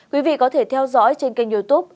quý vị có thể theo dõi trên kênh youtube